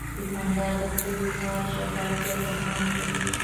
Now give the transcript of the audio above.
دوکاندار د خپل کار شفافیت ته پام کوي.